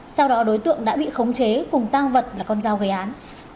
sau đó đối tượng đã bị khống chế cùng tang vật là con dao gây án